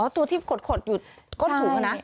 ตัวที่ขดอยู่ก้นถุงนะ